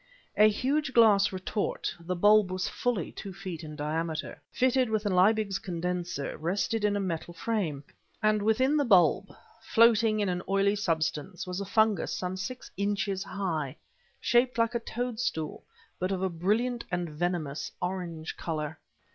A huge glass retort (the bulb was fully two feet in diameter), fitted with a Liebig's Condenser, rested in a metal frame, and within the bulb, floating in an oily substance, was a fungus some six inches high, shaped like a toadstool, but of a brilliant and venomous orange color.